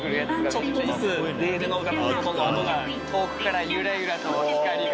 ちょっとずつレールのがたんごとんって音が、遠くからゆらゆらと光が。